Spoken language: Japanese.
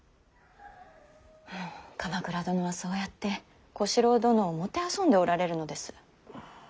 ふう鎌倉殿はそうやって小四郎殿を弄んでおられるのです。